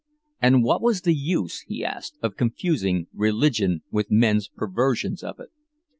And what was the use, he asked, of confusing Religion with men's perversions of it?